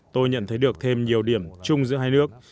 tôi nhận thấy được thêm nhiều điểm chung giữa hai nước